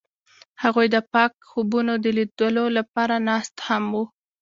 هغوی د پاک خوبونو د لیدلو لپاره ناست هم وو.